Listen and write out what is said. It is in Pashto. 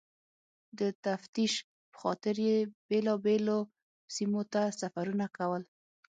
د تفتیش پخاطر یې بېلابېلو سیمو ته سفرونه کول.